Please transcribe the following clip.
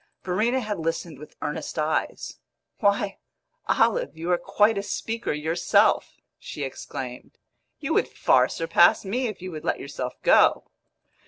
Verena had listened with earnest eyes. "Why, Olive, you are quite a speaker yourself!" she exclaimed. "You would far surpass me if you would let yourself go."